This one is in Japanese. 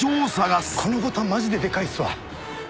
このボタンマジででかいっすわ。